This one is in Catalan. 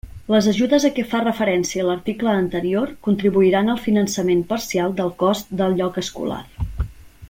Les ajudes a què fa referència l'article anterior contribuiran al finançament parcial del cost del lloc escolar.